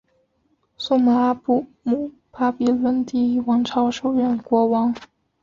苏姆阿布姆巴比伦第一王朝首任国王。